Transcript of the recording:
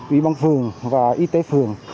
ủy ban phường và y tế phường